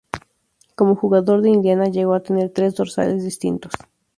Como jugador de Indiana llegó a tener tres dorsales distintos.